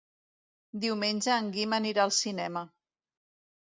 Diumenge en Guim anirà al cinema.